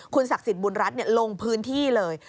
ศักดิ์สิทธิ์บุญรัฐลงพื้นที่เลย